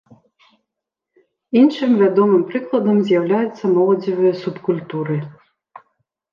Іншым вядомым прыкладам з'яўляюцца моладзевыя субкультуры.